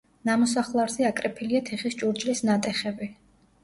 ნამოსახლარზე აკრეფილია თიხის ჭურჭლის ნატეხები.